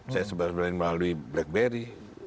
saya sebarin melalui blackberry